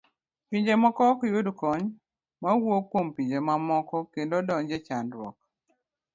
Pinje moko ok yud kony mawuok kuom pinje moko kendo donje chandruok.